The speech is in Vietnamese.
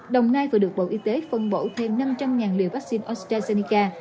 đồng nai vừa được bộ y tế phân bổ thêm năm trăm linh liều vaccine ostrazeneca